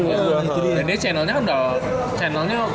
dia channel nya kan udah